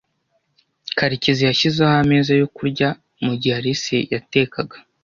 Karekezi yashyizeho ameza yo kurya mugihe Alice yatekaga.